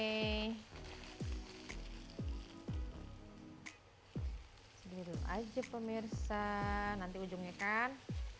ini dulu aja pemirsa nanti ujungnya kan